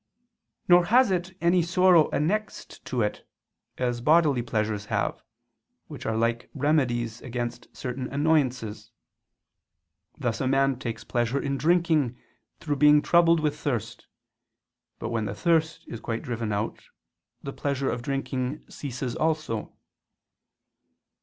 Nor has it any sorrow annexed to it, as bodily pleasures have, which are like remedies against certain annoyances; thus a man takes pleasure in drinking through being troubled with thirst, but when the thirst is quite driven out, the pleasure of drinking ceases also.